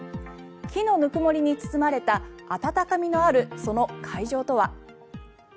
木のぬくもりに包まれた温かみのある、その会場とは。